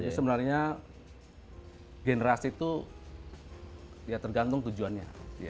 sebenarnya generasi itu ya tergantung tujuannya